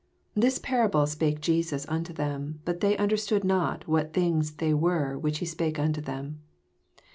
6 This parable spake Jesoa nnto them : but they understood not what things they were whioh he spake unto them.